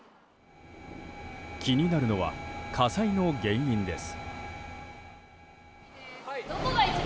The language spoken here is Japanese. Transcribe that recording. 気になるのは火災の原因です。